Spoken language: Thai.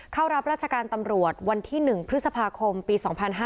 เข้ารับราชการตำรวจวันที่๑พฤษภาคมปี๒๕๕๙